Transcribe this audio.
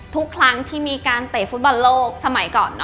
ทุกครั้งที่มีการเตะฟุตบอลโลกสมัยก่อน